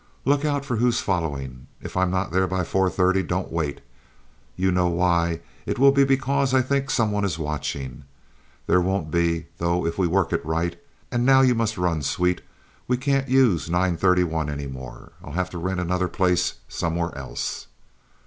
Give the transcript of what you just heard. "Look out for who's following. If I'm not there by four thirty, don't wait. You know why. It will be because I think some one is watching. There won't be, though, if we work it right. And now you must run, sweet. We can't use Nine thirty one any more. I'll have to rent another place somewhere else."